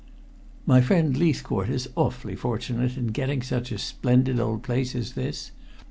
"My friend Leithcourt is awfully fortunate in getting such a splendid old place as this.